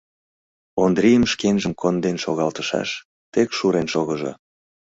Ондрийым шкенжым конден шогалтышаш, тек шурен шогыжо.